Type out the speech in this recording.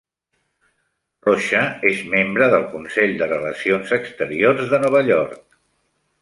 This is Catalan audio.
Rocha és membre del Consell de Relacions Exteriors de Nova York.